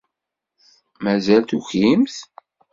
Mazal tukimt?